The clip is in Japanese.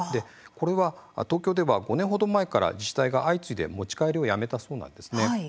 これは、東京では５年ほど前から自治体が相次いで持ち帰りをやめたそうなんですね。